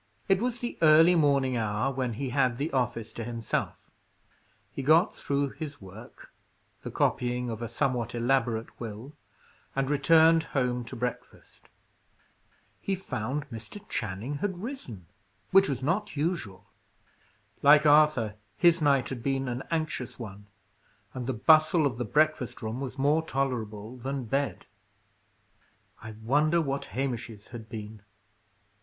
It was the early morning hour, when he had the office to himself. He got through his work the copying of a somewhat elaborate will and returned home to breakfast. He found Mr. Channing had risen, which was not usual. Like Arthur, his night had been an anxious one, and the bustle of the breakfast room was more tolerable than bed. I wonder what Hamish's had been!